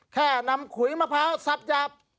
แค่นำขุยมะพร้าวสับหยาบ